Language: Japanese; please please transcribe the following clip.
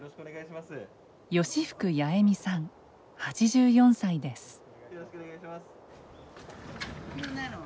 吉福八重美さん８４歳です。